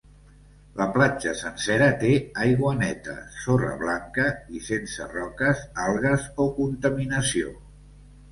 La platja sencera té aigua neta, sorra blanca i sense roques, algues o contaminació.